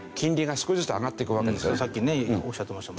さっきねおっしゃってましたもんね。